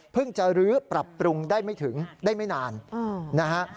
จะลื้อปรับปรุงได้ไม่ถึงได้ไม่นานนะฮะ